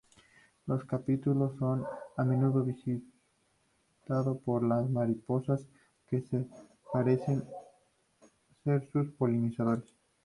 Los capítulos son a menudo visitado por las mariposas que parecen ser sus polinizadores.